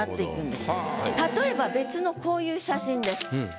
例えば別のこういう写真です。